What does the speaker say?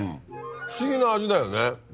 不思議な味だよね。